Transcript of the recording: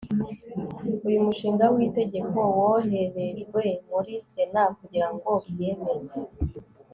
uyu mushinga w'itegeko woherejwe muri sena kugira ngo iyemeze